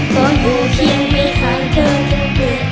ต้องกูเคี่ยงไปทางเธอขึ้นเปลี่ยน